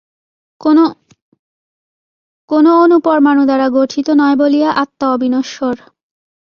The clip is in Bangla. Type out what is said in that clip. কোন অণুপরমাণুর দ্বারা গঠিত নয় বলিয়া আত্মা অবিনশ্বর।